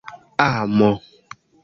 amo